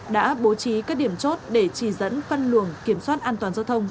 đã bố trí các điểm chốt để chỉ dẫn phân luồng kiểm soát an toàn giao thông